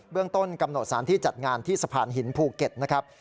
เรื่องต้นกำหนดสารที่จัดงานที่สะพานหินภูเก็ตนะครับ